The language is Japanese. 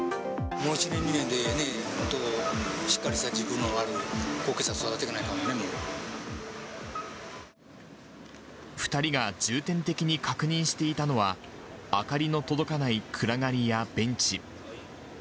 もう１年、２年でね、しっかりした軸のある後継者を育てていかないといけんもんね、２人が重点的に確認していたのは、明かりの届かない暗がりやベンチ。